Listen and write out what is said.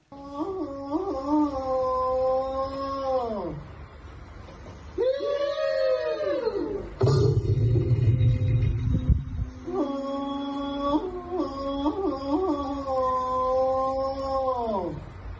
มันเกิดอะไรขึ้นถูกผีเข้าหรือเปล่าเอาดูคลิปที่เธอส่งมาก่อนนะครับ